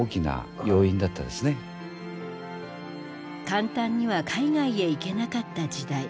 簡単には海外へ行けなかった時代。